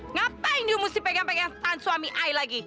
ngapain you mesti pegang pegang tan suami i lagi